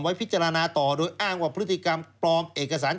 พิจารณาต่อโดยอ้างว่าพฤติกรรมปลอมเอกสาร